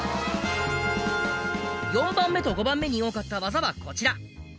４番目と５番目に多かった技はこちら。